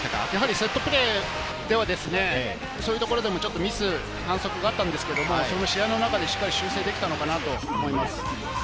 セットプレーではちょっとミスや反則があったんですけれど、視野の中でしっかり修正できたかなと思います。